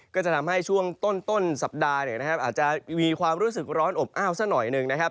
ก็จะทำให้ช่วงต้นสัปดาห์เนี่ยนะครับอาจจะมีความรู้สึกร้อนอบอ้าวสักหน่อยหนึ่งนะครับ